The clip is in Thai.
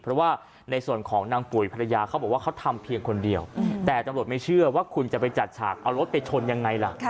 เพราะว่าในส่วนของนางปุ๋ยภรรยาเขาบอกว่าเขาทำเพียงคนเดียวแต่ตำรวจไม่เชื่อว่าคุณจะไปจัดฉากเอารถไปชนยังไงล่ะ